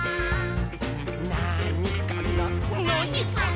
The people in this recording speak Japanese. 「なーにかな？」